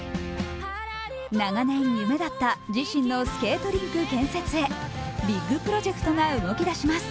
長年夢だった自身のスケートリンク建設へ、ビッグプロジェクトが動き出します。